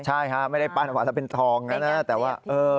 ใช่ค่ะไม่ได้ปั้นออกมาเป็นทองนะแต่ว่า